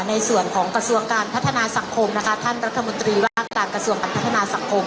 ในส่วนของกระทรวงการพัฒนาสังคมนะคะท่านรัฐมนตรีว่าการกระทรวงการพัฒนาสังคม